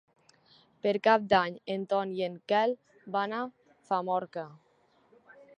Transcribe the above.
Per Cap d'Any en Ton i en Quel van a Famorca.